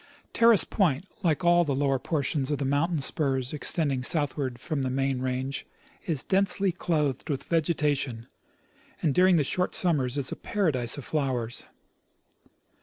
Terrace point, like all the lower portions of the mountain spurs extending southward from the main range, is densely clothed with vegetation, and during the short summers is a paradise of flowers.